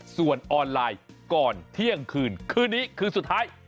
ส่วนออนไลน์ก่อนเที่ยงคืนคืนนี้คืนสุดท้าย